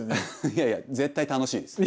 いやいや絶対楽しいです。